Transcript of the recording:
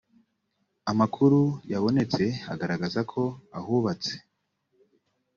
amakuru yabonetse agaragaza ko ahubatse